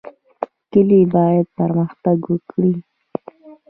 کلي باید پرمختګ وکړي